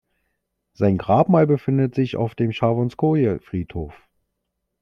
Sein Grabmal befindet sich auf dem Chowanskoje-Friedhof.